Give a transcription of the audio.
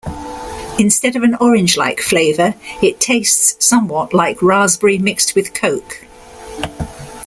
Instead of an orange-like flavour it tastes somewhat like raspberry mixed with coke.